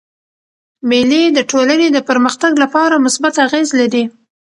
مېلې د ټولني د پرمختګ له پاره مثبت اغېز لري.